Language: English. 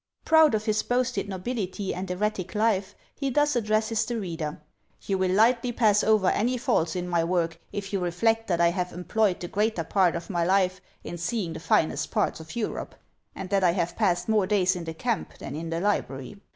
Proud of his boasted nobility and erratic life, he thus addresses the reader: "You will lightly pass over any faults in my work, if you reflect that I have employed the greater part of my life in seeing the finest parts of Europe, and that I have passed more days in the camp than in the library.